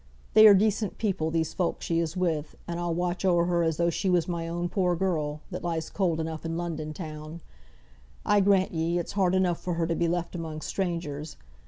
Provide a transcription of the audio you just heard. They are decent people, these folk she is with, and I'll watch o'er her as though she was my own poor girl, that lies cold enough in London town. I grant ye, it's hard enough for her to be left among strangers.